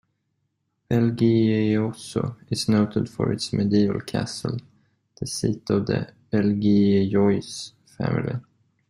Belgioioso is noted for its medieval castle, the seat of the Belgiojoso family.